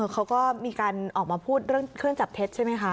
เขาก็มีการออกมาพูดเรื่องเครื่องจับเท็จใช่ไหมคะ